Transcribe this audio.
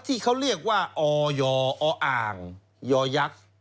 ที่เขาเรียกว่าอยออ่างยย